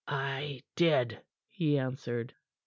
"I did," he answered.